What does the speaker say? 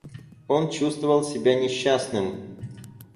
Он чувствовал себя несчастным.